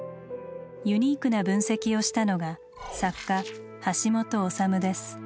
ユニークな分析をしたのが作家橋本治です。